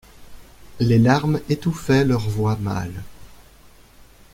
Les larmes étouffaient leurs voix mâles.